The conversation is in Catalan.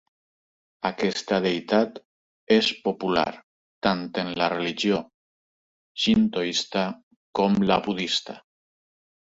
Aquesta deïtat és popular tant en la religió xintoista com la budista.